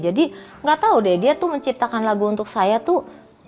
jadi gak tau deh dia tuh menciptakan lagu untuk saya tuh